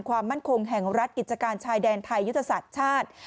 ความมั่นคงแห่งรัฐกิจการชายแดนไทยยุทธศาสตร์ชาติ